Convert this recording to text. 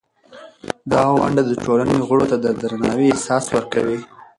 دا ونډه د ټولنې غړو ته د درناوي احساس ورکوي.